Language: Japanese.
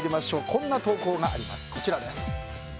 こんな投稿があります。